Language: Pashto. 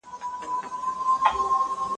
خلګ په ارامه فضا کي ژوند کوي.